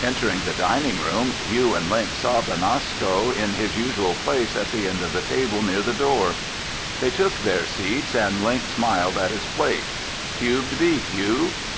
Entering the dining room, Hugh and Link saw Benasco in his usual place at the end of the table near the door. They took their seats and Link smiled at his plate. "Cubed beef, Hugh."